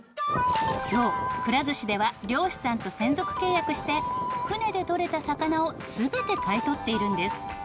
そうくら寿司では漁師さんと専属契約して船でとれた魚を全て買い取っているんです。